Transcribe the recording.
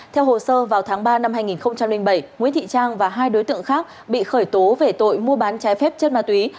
theo hồ sơ vào tháng ba năm hai nghìn bảy nguyễn thị trang và hai đối tượng khác bị khởi tố về tội mua bán trái phép chất ma túy